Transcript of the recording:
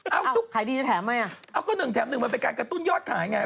เอาก็๑แถม๑มันก็เป็นการกระตุ้นยอดขายไง